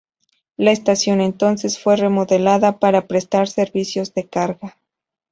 La estación entonces fue remodelada para prestar servicios de cargas.